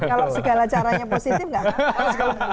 kalau segala caranya positif nggak